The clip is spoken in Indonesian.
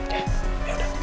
saya pamit dulu ya